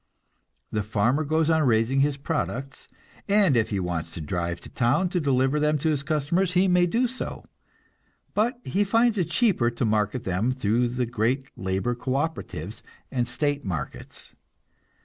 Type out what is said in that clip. The farmer goes on raising his products, and if he wants to drive to town and deliver them to his customers, he may do so; but he finds it cheaper to market them through the great labor co operatives and state markets.